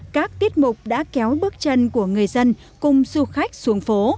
các tiết mục đã kéo bước chân của người dân cùng du khách xuống phố